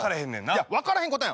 いや分からへんことない。